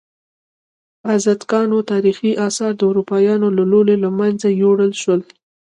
ازتکانو تاریخي آثار د اروپایانو له لوري له منځه یوړل شول.